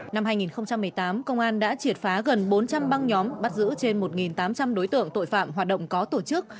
năm hai nghìn một mươi tám công an đã triệt phá gần bốn trăm linh băng nhóm bắt giữ trên một tám trăm linh đối tượng tội phạm hoạt động có tổ chức